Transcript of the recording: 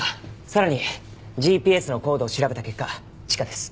さらにＧＰＳの高度を調べた結果地下です。